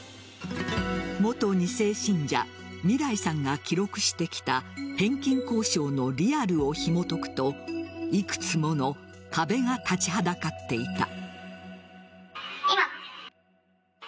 元２世信者みらいさんが記録してきた返金交渉のリアルをひもとくといくつもの壁が立ちはだかっていた。